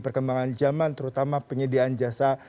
perkembangan zaman terutama penyediaan jasa